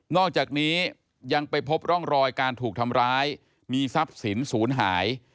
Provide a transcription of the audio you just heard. อกจากนี้ยังไปพบร่องรอยการถูกทำร้ายมีทรัพย์สินศูนย์หาย